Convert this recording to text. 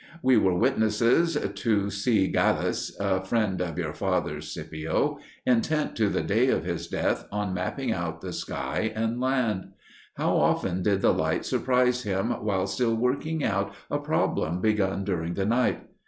We were witnesses to C. Gallus a friend of your father's, Scipio intent to the day of his death on mapping out the sky and land. How often did the light surprise him while still working out a problem begun during the night!